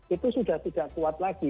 itu sudah tidak kuat lagi